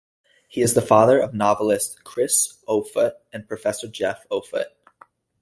He is the father of novelist Chris Offutt and professor Jeff Offutt.